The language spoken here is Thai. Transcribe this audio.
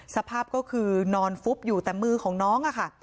สภาพก็คือนอนฟุบอยู่แต่มือของน้องอะค่ะ